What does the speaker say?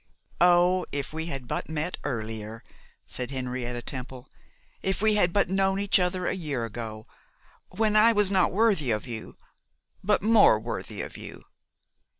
'Oh, if we had but met earlier,' said Henrietta Temple; 'if we had but known each other a year ago! when I was, not worthy of you, but more worthy of you.